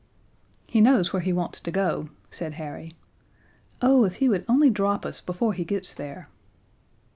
"He knows where he wants to go," said Harry. "Oh, if he would only drop us before he gets there!"